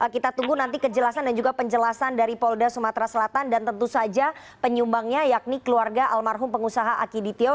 kita tunggu nanti kejelasan dan juga penjelasan dari polda sumatera selatan dan tentu saja penyumbangnya yakni keluarga almarhum pengusaha akiditio